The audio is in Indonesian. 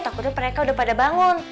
takutnya mereka udah pada bangun